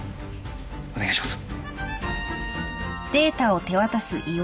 お願いします。